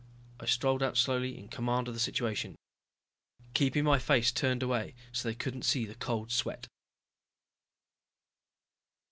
'" I strolled out slowly, in command of the situation. Keeping my face turned away so they couldn't see the cold sweat.